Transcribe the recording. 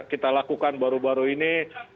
kita lakukan baru baru ini